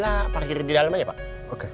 lah parkir di dalam aja pak